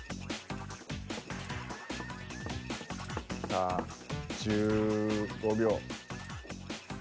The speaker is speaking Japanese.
さあ１５秒。